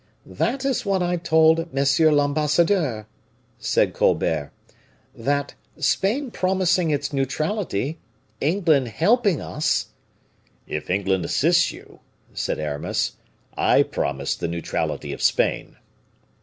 "That is why I told monsieur l'ambassadeur," said Colbert, "that, Spain promising its neutrality, England helping us " "If England assists you," said Aramis, "I promise the neutrality of Spain."